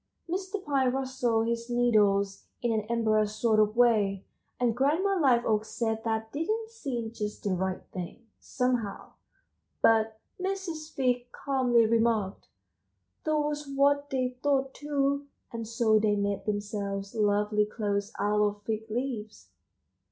Mr. Pine rustled his needles in an embarrassed sort of way, and Grandma Liveoak said that didn't seem just the right thing, somehow; but Mrs. Fig calmly remarked: "That was what they thought too and so they made themselves lovely clothes out of fig leaves."